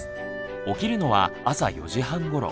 起きるのは朝４時半ごろ。